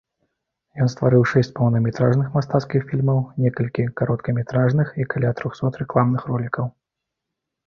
Ён стварыў шэсць поўнаметражных мастацкіх фільмаў, некалькі кароткаметражных і каля трохсот рэкламных ролікаў.